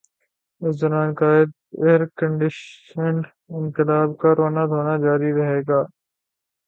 اس دوران قائد ائیرکنڈیشنڈ انقلاب کا رونا دھونا جاری رہے گا۔